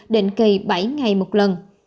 định kỳ bảy ngày một lần